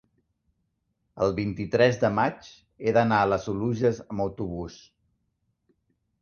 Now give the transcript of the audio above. el vint-i-tres de maig he d'anar a les Oluges amb autobús.